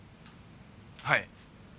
はい。